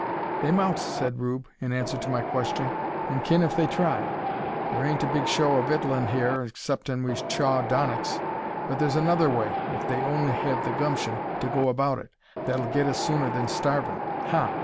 "They mout," said Rube, in answer to my question, "an' kin if they try. Thur ain't a big show o' vittlin' hyur, 'ceptin' we chaw donnicks. But thur's another way, ef they only hev the gumshin to go about it, that'll git us sooner than starvin'. Ha!"